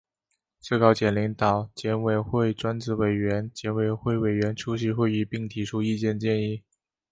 最高检领导、检委会专职委员、检委会委员出席会议并提出意见建议